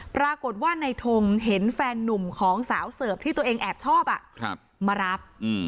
ปรากฏว่าในทงเห็นแฟนนุ่มของสาวเสิร์ฟที่ตัวเองแอบชอบมารับ